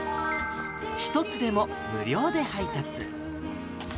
１つでも無料で配達。